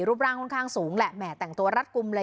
รูปร่างค่อนข้างสูงแหละแห่แต่งตัวรัดกลุ่มเลย